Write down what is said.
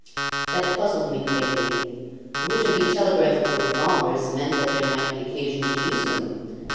That puzzled me greatly. Rouletabille telegraphing for revolvers meant that there might be occasion to use them.